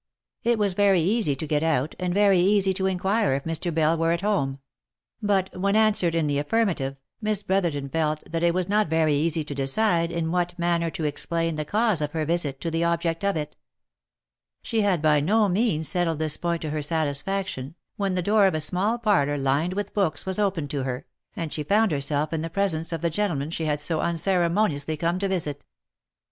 It was very easy to get out, and very easy to inquire if Mr. Bell were at home ; but when answered in the affirmative, Miss Brotherton felt that it was not very easy to decide in what manner to explain the cause of her visit to the object of it. She had by no means settled this point to her satisfaction, when the door of a small parlouv, lined with books, was opened to her, and she found herself in the presence of the gentleman she had so unceremo niously come to visit. OF MICHAEL ARMSTRONG.